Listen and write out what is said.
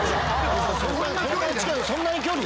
そんな距離⁉